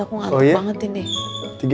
aku ngantuk banget ini